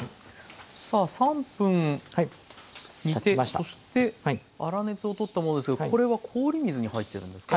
そして粗熱を取ったものですけどこれは氷水に入ってるんですか？